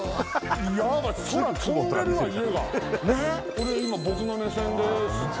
これ今僕の目線です。